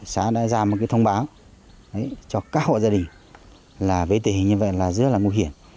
xã đã ra một cái thông báo cho các hộ gia đình là với tình hình như vậy là rất là nguy hiểm